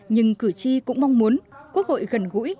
nhưng cử tri cũng mong muốn quốc hội gần gũi